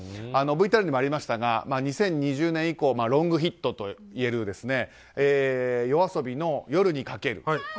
ＶＴＲにもありましたが２０２０年以降ロングヒットといえるＹＯＡＳＯＢＩの「夜に駆ける」。